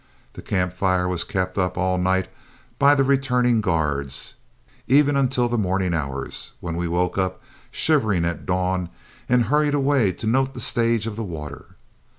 The camp fire was kept up all night by the returning guards, even until the morning hours, when we woke up shivering at dawn and hurried away to note the stage of the water.